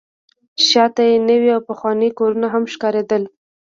شاته یې نوي او پخواني کورونه هم ښکارېدل.